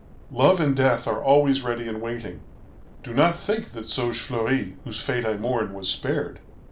Love and death are always ready and waiting. Do not think that Saugefleurie, whose fate I mourn, was spared.